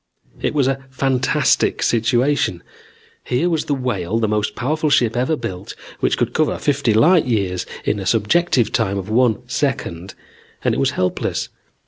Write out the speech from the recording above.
"It was a fantastic situation. Here was the Whale, the most powerful ship ever built, which could cover fifty light years in a subjective time of one second, and it was helpless.